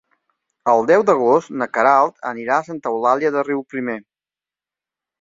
El deu d'agost na Queralt anirà a Santa Eulàlia de Riuprimer.